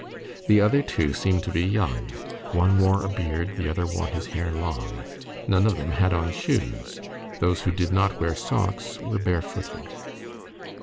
The other two seemed to be young; one wore a beard, the other wore his hair long. None of them had on shoes; those who did not wear socks were barefooted.